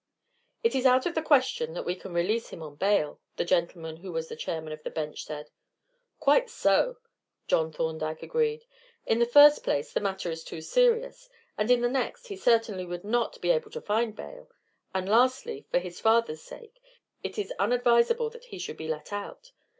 "It is out of the question that we can release him on bail," the gentleman who was chairman of the bench said. "Quite so," John Thorndyke agreed. "In the first place, the matter is too serious; and in the next, he certainly would not be able to find bail; and lastly, for his father's sake, it is unadvisable that he should be let out.